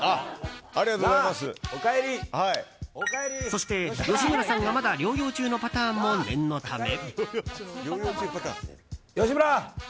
そして、吉村さんがまだ療養中のパターンも念のため。